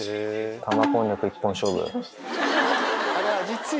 玉こんにゃく一本勝負。